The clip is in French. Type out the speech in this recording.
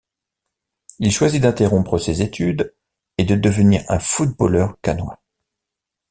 Il choisit d'interrompre ses études et de devenir un footballeur cannois.